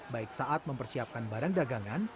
baik saat mempersiapkan barang dagangan